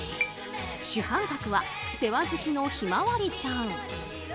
主犯格は世話好きのひまわりちゃん。